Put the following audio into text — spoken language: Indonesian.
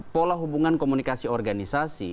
pola hubungan komunikasi organisasi